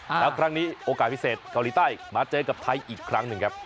แล้วครั้งนี้โอกาสพิเศษเกาหลีใต้มาเจอกับไทยอีกครั้งหนึ่งครับ